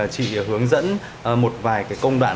chị hướng dẫn một vài công đoạn